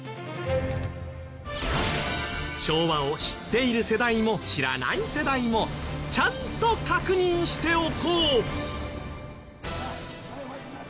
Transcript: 昭和を知っている世代も知らない世代もちゃんと確認しておこう！